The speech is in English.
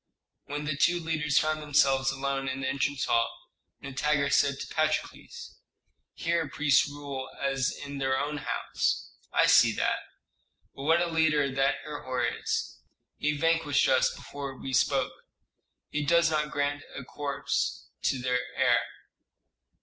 When the two leaders found themselves alone in the entrance hall, Nitager said to Patrokles, "Here priests rule as in their own house. I see that. But what a leader that Herhor is! He vanquished us before we spoke; he does not grant a corps to the heir."